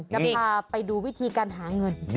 จะพาไปดูวิธีการหาเงิน